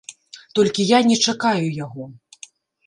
Толькі я не чакаю яго.